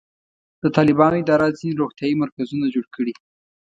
د طالبانو اداره ځینې روغتیایي مرکزونه جوړ کړي.